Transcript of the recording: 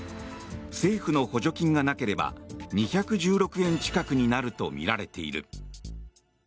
政府の補助金がなければ２１６円近くになるとみられている。